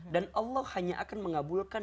dan allah hanya akan mengabulkan